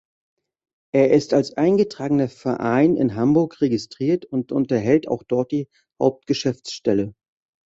Er ist als eingetragener Verein in Hamburg registriert und unterhält auch dort die Hauptgeschäftsstelle.